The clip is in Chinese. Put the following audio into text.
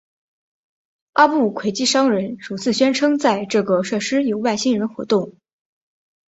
阿布奎基商人首次宣称在这个设施有外星人活动。